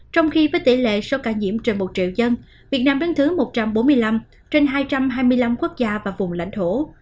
trong khi với tỷ lệ số ca nhiễm trên một triệu dân việt nam đứng thứ một trăm bốn mươi năm trên hai trăm hai mươi năm quốc gia và vùng lãnh thổ